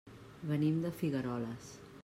Venim de Figueroles.